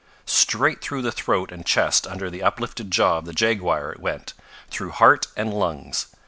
Straight through the throat and chest under the uplifted jaw of the jaguar it went through heart and lungs.